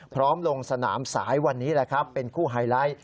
พร้อมลงสนามสายวันนี้เป็นคู่ไฮไลต์